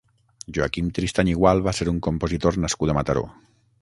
Joaquim Tristany i Gual va ser un compositor nascut a Mataró.